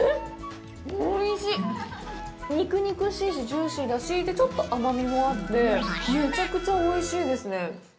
肉々しいしジューシーだし、ちょっと甘みもあってめちゃくちゃおいしいですね。